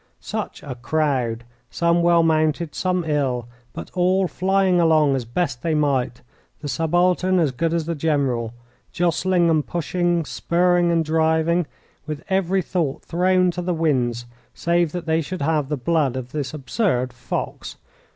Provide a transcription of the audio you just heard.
Such a crowd, some well mounted, some ill, but all flying along as best they might, the subaltern as good as the general, jostling and pushing, spurring and driving, with every thought thrown to the winds save that they should have the blood of this absurd fox!